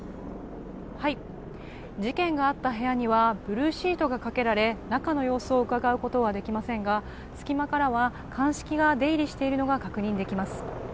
事件があった部屋にはブルーシートがかけられ、中の様子をうかがうことはできませんが、隙間からは鑑識が出入りしているのが確認できます。